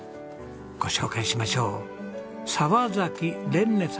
ご紹介しましょう。